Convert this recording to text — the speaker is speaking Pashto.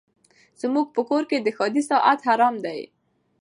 زموږ په کور کي د ښادۍ ساعت حرام دی